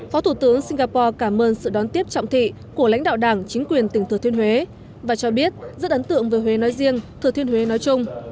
phó thủ tướng singapore cảm ơn sự đón tiếp trọng thị của lãnh đạo đảng chính quyền tỉnh thừa thiên huế và cho biết rất ấn tượng về huế nói riêng thừa thiên huế nói chung